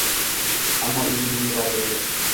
Ammo endi menga baribir edi